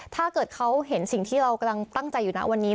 ถ้าเกิดเขาเห็นสิ่งที่เรากำลังตั้งใจอยู่นะวันนี้